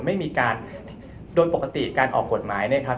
ไม่มีการโดยปกติการออกกฎหมายเนี่ยครับ